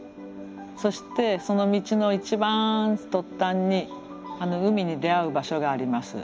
そしてその道の一番突端に海に出会う場所があります。